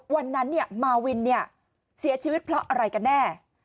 วันนั้นเนี่ยมาวินเนี่ยเสียชีวิตเพราะอะไรกันแน่